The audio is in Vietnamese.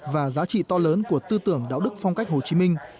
và giá trị to lớn của tư tưởng đạo đức phong cách hồ chí minh